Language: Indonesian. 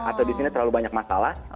atau di sini terlalu banyak masalah